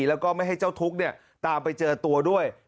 แล้วก็ไม่ให้เจ้าทุกข์ตามไปเจอตัวด้วย